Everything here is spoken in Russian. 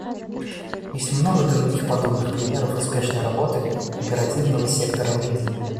Есть много других подобных примеров успешной работы кооперативного сектора в Индии.